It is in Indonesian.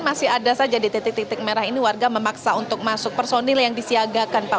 masih ada saja di titik titik merah ini warga memaksa untuk masuk personil yang disiagakan pak